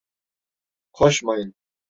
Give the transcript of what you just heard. Koşmayın!